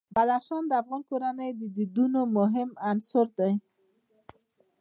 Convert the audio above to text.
بدخشان د افغان کورنیو د دودونو مهم عنصر دی.